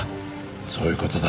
そういう事だ。